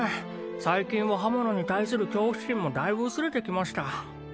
最近は刃物に対する恐怖心もだいぶ薄れてきました